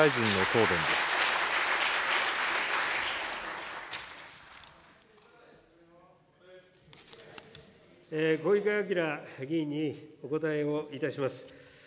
小池晃議員にお答えをいたします。